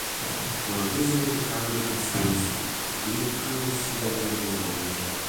o aviso inevitável da consciência, o grito clandestino de haver alma